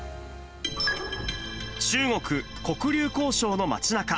中国・黒竜江省の街なか。